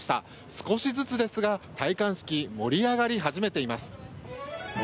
少しずつですが、戴冠式盛り上がり始めています。